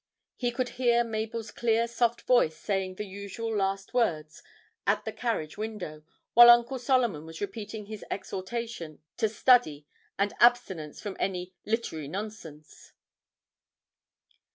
He could hear Mabel's clear soft voice saying the usual last words at the carriage window, while Uncle Solomon was repeating his exhortations to study and abstinence from any 'littery nonsense.'